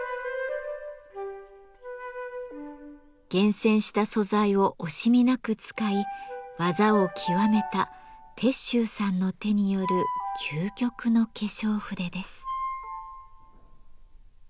厳選した素材を惜しみなく使い技を極めた鉄舟さんの手による究極の化粧筆です。